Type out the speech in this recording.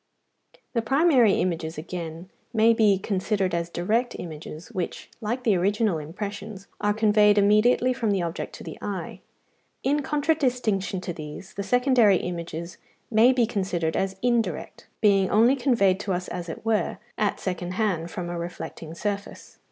The primary images, again, may be considered as direct images, which, like the original impressions, are conveyed immediately from the object to the eye. In contradistinction to these, the secondary images may be considered as indirect, being only conveyed to us, as it were, at second hand from a reflecting surface.